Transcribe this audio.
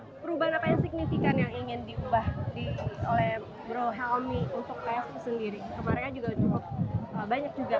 perubahan apa yang signifikan yang ingin diubah oleh bro helmy untuk psi sendiri